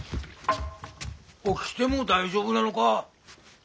起きても大丈夫なのか？